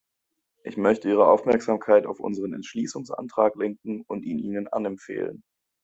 Ich möchte Ihre Aufmerksamkeit auf unseren Entschließungsantrag lenken und ihn Ihnen anempfehlen.